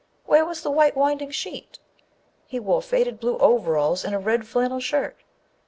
Where was the white winding sheet? He wore faded blue overalls and a red flannel shirt!